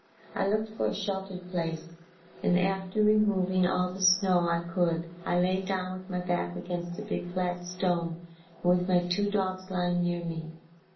I looked for a sheltered place and after removing all the snow I could I lay down with my back against a big flat stone and with my two dogs lying near me.